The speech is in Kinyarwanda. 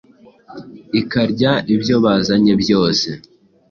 ikarya ibyo bazanye byose